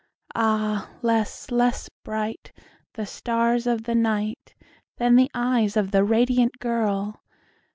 Ah, less less bright The stars of the night Than the eyes of the radiant girl!